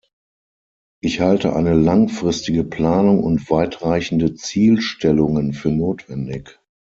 Ich halte eine langfristige Planung und weitreichende Zielstellungen für notwendig.